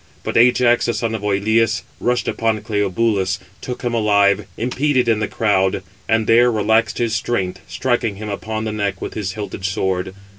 But Ajax, the son of Oïleus, rushing upon Cleobulus, took him alive, impeded in the crowd; and there relaxed his strength, striking him upon the neck with his hilted sword.